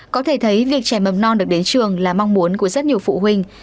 có thể thấy việc trẻ mầm non được đến trường là mong muốn của rất nhiều phụ huynh